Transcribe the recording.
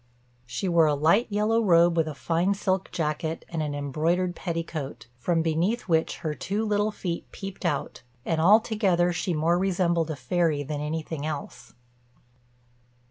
She wore a light yellow robe with a fine silk jacket and an embroidered petticoat, from beneath which her two little feet peeped out; and altogether she more resembled a fairy than anything else.